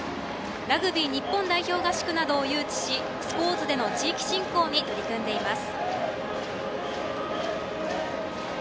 ラグビー日本代表合宿などを誘致しスポーツでの地域振興に取り組んでいます。